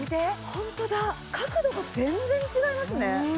ホントだ角度が全然違いますね